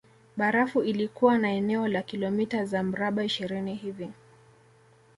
Barafu ilikuwa na eneo la kilomita za mraba ishirini hivi